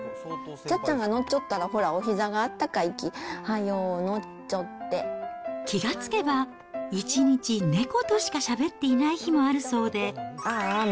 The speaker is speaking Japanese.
茶茶が乗っちゃったら、ほら、おひざがあったかいき、はようのっ気が付けば、一日猫としかしゃべっていない日もあるそうで。